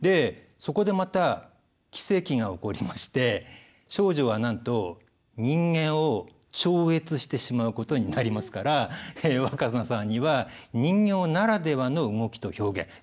そこでまた奇跡が起こりまして丞相はなんと人間を超越してしまうことになりますから若菜さんには人形ならではの動きと表現